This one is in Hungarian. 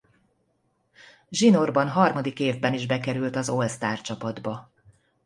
Zsinórban harmadik évben is bekerült az All-Star csapatba.